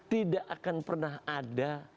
tidak akan pernah ada